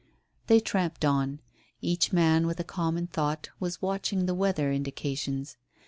They tramped on. Each man, with a common thought, was watching the weather indications.